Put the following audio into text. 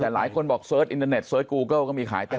แต่หลายคนบอกเสิร์ชอินเทอร์เน็ตเสิร์ชกูเกิลก็มีขายเต็ม